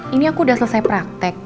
ini aku udah selesai praktek